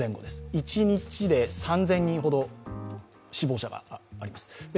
一日で３０００人ほど死亡者があります。